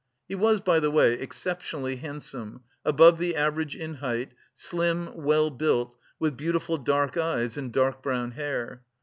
He was, by the way, exceptionally handsome, above the average in height, slim, well built, with beautiful dark eyes and dark brown hair.